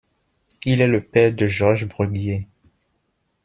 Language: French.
Il est le père de Georges Bruguier.